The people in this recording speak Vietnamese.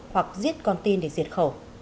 hoặc giết con tin để diệt khẩu